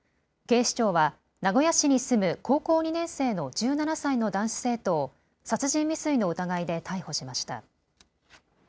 警視庁は名古屋市に住む高校２年生の１７歳の男子生徒を殺人未遂の疑いで逮捕しました。